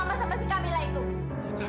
salah saya apa sama kamu